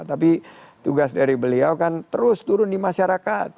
tapi tugas dari beliau kan terus turun di masyarakat